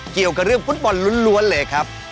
เกี่ยวกับเรื่องฟุตบอลล้วนเลยครับ